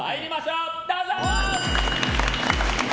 どうぞ！